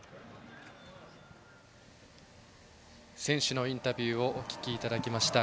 選手のインタビューをお聞きいただきました。